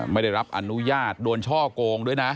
ไม่ได้รับอนุญาตโดนช่อโกงด้วยนะ